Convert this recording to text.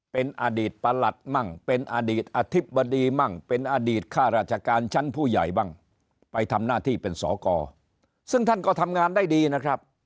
เป็นอดีตประหลัดมั่งเป็นอดีตอธิบดีมั่งเป็นอดีตข้าราชการชั้นผู้ใหญ่บ้างไปทำหน้าที่เป็นสอกรซึ่งท่านก็ทำงานได้ดีนะครับ